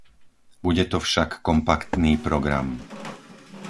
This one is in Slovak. Bude to však kompaktný program.